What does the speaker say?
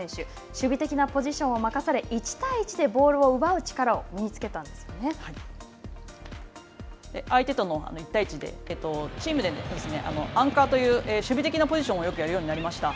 守備的なポジションを任され１対１でボールを奪う力を相手との１対１でチームで、アンカーという、守備的なポジションをよくやるようになりました。